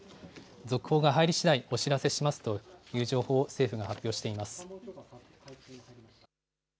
続報が入りしだいお知らせしますという情報を政府が発表しています。